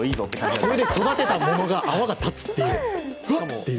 それで育てたものが泡が立つという。